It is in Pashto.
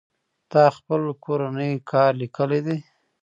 تا خپل کورنۍ کار ليکلى دئ.